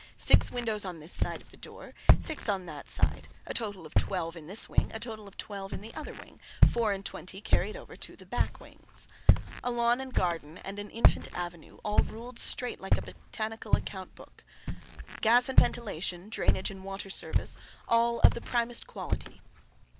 Six windows on this side of the door, six on that side; a total of twelve in this wing, a total of twelve in the other wing; four and twenty carried over to the back wings. A lawn and garden and an infant avenue, all ruled straight like a botanical account book. Gas and ventilation, drainage and water service, all of the primest quality.